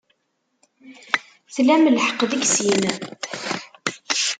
Tlam lḥeqq deg sin.